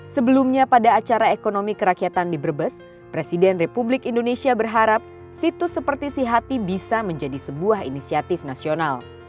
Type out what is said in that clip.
sebelumnya pada acara ekonomi kerakyatan di brebes presiden republik indonesia berharap situs seperti si hati bisa menjadi sebuah inisiatif nasional